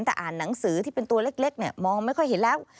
แต่อ่านหนังสือที่เป็นตัวเล็กเนี่ยมองไม่ค่อยเห็นแล้ว